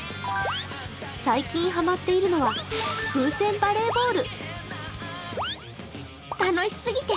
最近、ハマっているのは風船バレーボール。